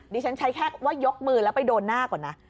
ดิฉันใช้แค่ว่ายกมือแล้วไปโดนหน้าก่อนนะ